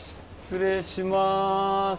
失礼します。